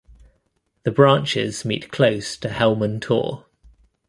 The branches meet close to Helman Tor.